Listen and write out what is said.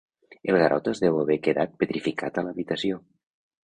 El Garota es deu haver quedat petrificat a l'habitació.